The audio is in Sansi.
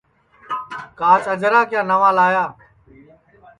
کاچ اجرا کیا نئوا لایا